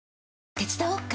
手伝おっか？